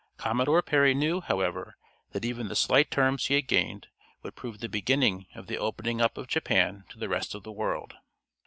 Commodore Perry knew, however, that even the slight terms he had gained would prove the beginning of the opening up of Japan to the rest of the world.